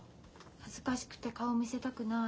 恥ずかしくて顔見せたくない。